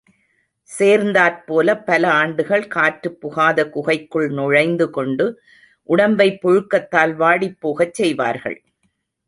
சேர்ந்தாற்போலப் பல ஆண்டுகள் காற்றுப் புகாத குகைக்குள் நுழைந்து கொண்டு உடம்பை புழுக்கத்தால் வாடிப் போகச் செய்வார்கள்.